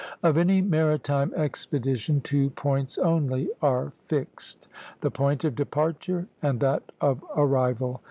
Of any maritime expedition two points only are fixed, the point of departure and that of arrival.